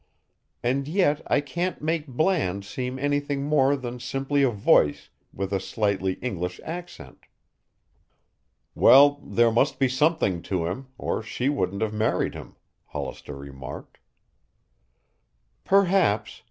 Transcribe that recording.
And yet I can't make Bland seem anything more than simply a voice with a slightly English accent." "Well, there must be something to him, or she wouldn't have married him," Hollister remarked. "Perhaps.